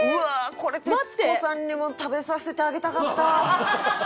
これ徹子さんにも食べさせてあげたかった！